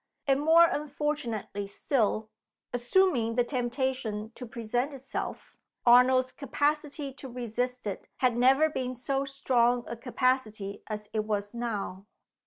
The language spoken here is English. And more unfortunately still assuming the temptation to present itself, Arnold's capacity to resist it had never been so strong a capacity as it was now.